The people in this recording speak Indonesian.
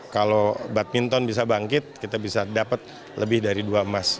kalau badminton bisa bangkit kita bisa dapat lebih dari dua emas